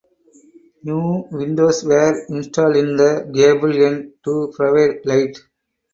New windows were installed in the gable end to provide light.